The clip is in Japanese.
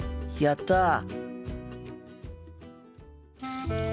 やった！